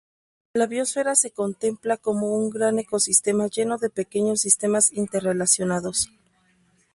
La Biosfera se contempla como un gran ecosistema lleno de pequeños sistemas interrelacionados.